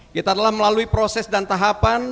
kita telah melalui proses dan tahapan